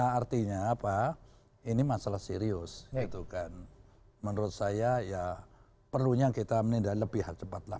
nah artinya apa ini masalah serius gitu kan menurut saya ya perlunya kita menindak lebih cepat lah